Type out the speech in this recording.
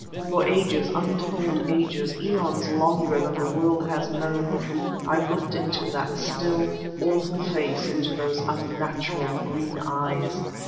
For ages, untold ages aeons longer than the world has known I looked into that still, awful face, into those unnatural green eyes.